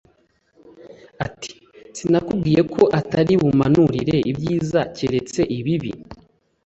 ati “Sinakubwiye ko atari bumpanurire ibyiza keretse ibibi?”